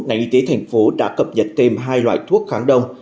nành y tế tp hcm đã cập nhật thêm hai loại thuốc kháng đông